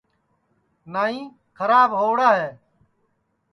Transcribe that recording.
نائی کھراب ہؤڑا ہے